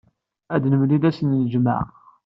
Ad nemlil ass n ljemɛa.